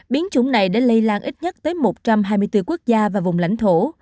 biến chủng này đã lây lan ít nhất tới một trăm hai mươi bốn quốc gia và vùng lãnh thổ